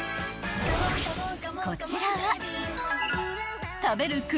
［こちらは］